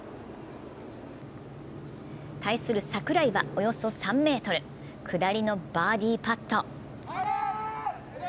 対する櫻井は、およそ３ｍ、下りのバーディーパット。